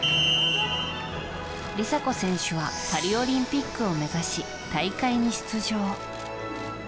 梨紗子選手はパリオリンピックを目指し大会に出場。